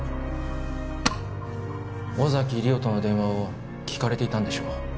尾崎莉桜との電話を聞かれていたんでしょう